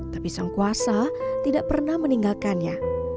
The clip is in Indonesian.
tapi sang kuasa tidak pernah meninggalkannya